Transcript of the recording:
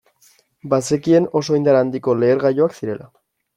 Bazekien oso indar handiko lehergailuak zirela.